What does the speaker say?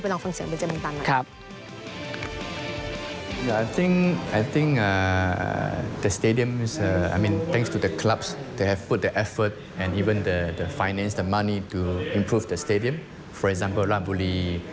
ไปลองฟังเสียงเบิร์นเจมีนตันสิ